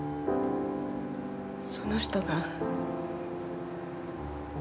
その人が。